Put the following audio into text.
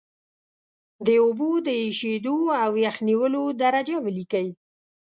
د اوبو د ایشېدو او یخ نیولو درجه ولیکئ.